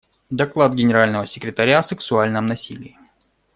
Доклад Генерального секретаря о сексуальном насилии.